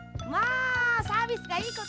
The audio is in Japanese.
あサービスがいいことね。